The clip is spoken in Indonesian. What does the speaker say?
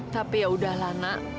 tapi yaudah lah nak